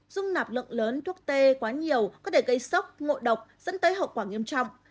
dung nạp lượng lớn thuốc tê quá nhiều có thể gây sốc ngộ độc dẫn tới hậu quả nghiêm trọng